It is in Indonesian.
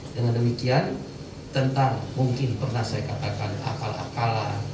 dengan demikian tentang mungkin pernah saya katakan akal akalan